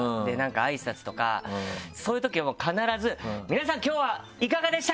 挨拶とかそういうときはもう必ず「皆さん今日はいかがでしたか？」